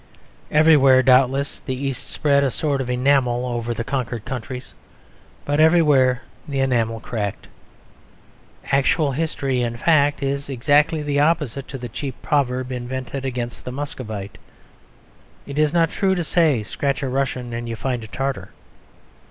Everywhere, doubtless, the East spread a sort of enamel over the conquered countries, but everywhere the enamel cracked. Actual history, in fact, is exactly opposite to the cheap proverb invented against the Muscovite. It is not true to say "Scratch a Russian and you find a Tartar."